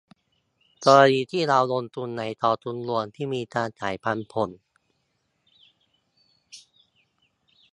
กรณีที่เราลงทุนในกองทุนรวมที่มีการจ่ายปันผล